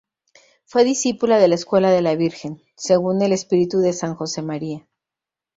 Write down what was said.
Fue discípula de la escuela de la Virgen, según el espíritu de San Josemaría.